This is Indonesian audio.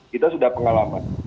kita sudah pengalaman